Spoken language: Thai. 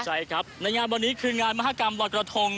ใช่ครับในงานวันนี้คืองานมหากรรมลอยกระทง